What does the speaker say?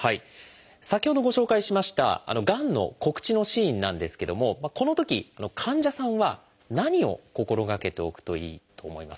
先ほどご紹介しましたがんの告知のシーンなんですけどもこのとき患者さんは何を心がけておくといいと思いますか？